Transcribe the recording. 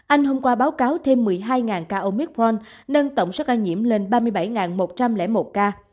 anh hôm qua báo cáo thêm một mươi hai ca omicront nâng tổng số ca nhiễm lên ba mươi bảy một trăm linh một ca